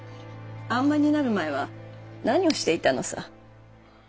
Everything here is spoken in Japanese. あんまになる前は何をしていたのさ？